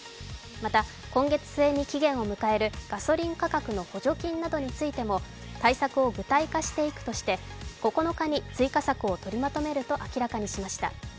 また、今月末に期限を迎えるガソリン価格の補助金などについても対策を具体化していくとして９日に追加策を取りまとめると明らかにしました。